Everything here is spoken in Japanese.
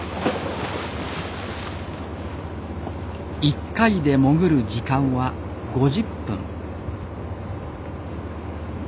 一回で潜る時間は５０分。